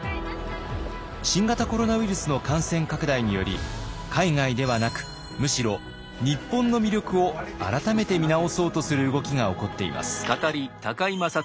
新型コロナウイルスの感染拡大により海外ではなくむしろ日本の魅力を改めて見直そうとする動きが起こっています。